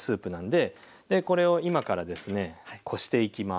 でこれを今からですねこしていきます。